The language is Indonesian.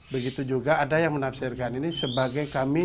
begitu juga ada yang menafsirkan ini sebagai kami